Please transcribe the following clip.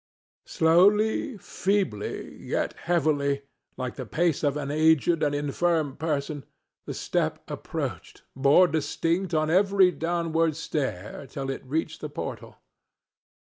Slowly, feebly, yet heavily, like the pace of an aged and infirm person, the step approached, more distinct on every downward stair, till it reached the portal.